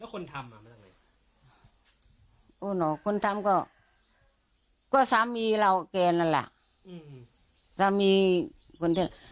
แล้วคนทำอ่ะคนทำก็ก็สามีเราแกนั่นแหละอืมสามีคนทำ